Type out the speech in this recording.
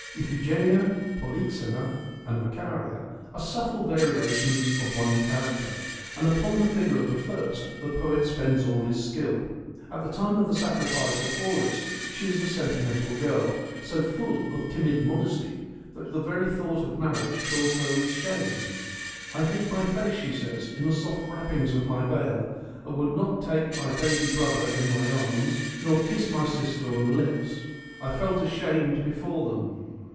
Iphigenia, Polyxena and Macaria are subtle variations of one character, and upon the figure of the first the poet spends all his skill. At the time of the sacrifice at Aulis she is a sentimental girl, so full of timid modesty that the very thought of marriage fills her with shame. " I hid my face,' she says, ' in the soft wrappings of my veil and would not take my baby brother in my arms nor kiss my sister on the lips — I felt ashamed before them.